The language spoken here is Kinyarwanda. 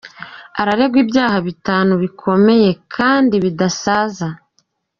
Areregwa ibyaha bitanu bikomeye kandi Bidasaza.